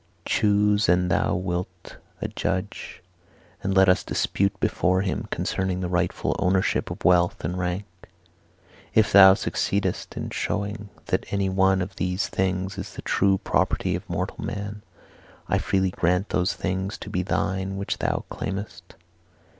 Choose an thou wilt a judge, and let us dispute before him concerning the rightful ownership of wealth and rank. If thou succeedest in showing that any one of these things is the true property of mortal man, I freely grant those things to be thine which thou claimest.